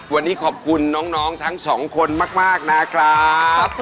วันนี้ขอบคุณน้องทั้งสองคนมากนะครับ